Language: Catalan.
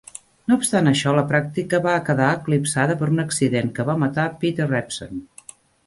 No obstant això, la pràctica va quedar eclipsada per un accident que va matar Peter Revson.